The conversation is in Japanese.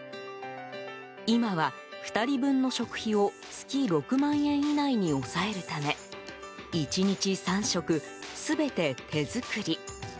今は、２人分の食費を月６万円以内に抑えるため１日３食、全て手作り。